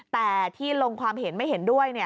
แต่ที่ลงความเห็นไม่เห็นด้วย